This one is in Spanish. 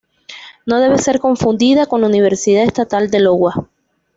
No debe ser confundida con la Universidad Estatal de Iowa.